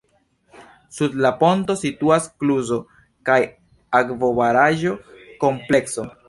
Sub la ponto situas kluzo- kaj akvobaraĵo komplekso.